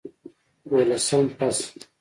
دولسم فصل